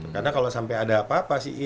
karena kalau sampai ada apa apa